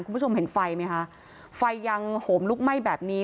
คุณผู้ชมเห็นไฟไหมคะไฟยังโหมลุกไหม้แบบนี้